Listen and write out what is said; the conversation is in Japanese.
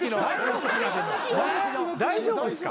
大丈夫ですか？